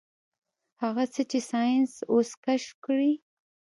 هغه څه چې ساينس اوس کشف کړي.